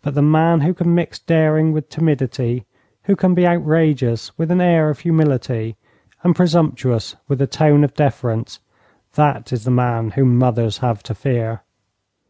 But the man who can mix daring with timidity, who can be outrageous with an air of humility, and presumptuous with a tone of deference, that is the man whom mothers have to fear.